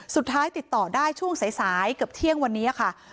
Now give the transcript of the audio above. สุดท้ายติดต่อได้ช่วงสายเกือบเที่ยงวันนี้ค่ะ